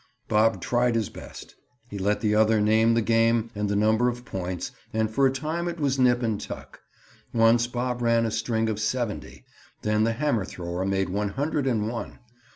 Bob tried his best. He let the other name the game and the number of points, and for a time it was nip and tuck. Once Bob ran a string of seventy. Then the hammer thrower made one hundred and one.